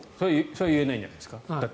それは言えないんじゃないですか？